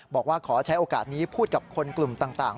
บอกว่าขอใช้โอกาสนี้พูดกับคนกลุ่มต่าง